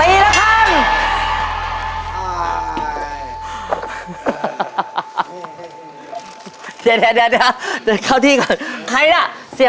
ไอ้อีก๕ถุงเพราะนั้นนะฮะพี่ก็ต้องมาไปวางนะฮะ